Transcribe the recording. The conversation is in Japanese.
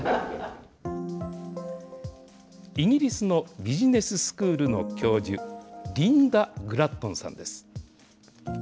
イギリスのビジネススクールの教授、リンダ・グラットンさんです。